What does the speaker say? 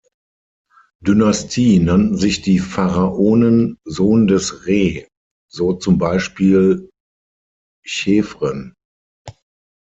Dynastie nannten sich die Pharaonen „Sohn des Re“, so zum Beispiel Chephren.